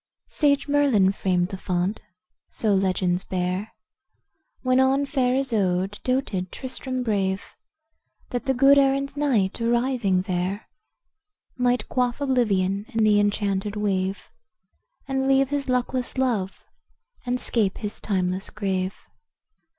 Sage Merlin framed the font, so legends bear, When on fair Isoude doated Tristram brave, That the good errant knight, arriving there, Might quaff oblivion in the enchanted wave, And leave his luckless love, and 'scape his timeless grave.